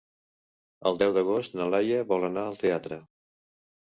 El deu d'agost na Laia vol anar al teatre.